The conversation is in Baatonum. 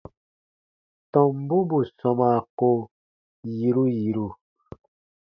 Tɔmbu bù sɔmaa ko yiru yiru.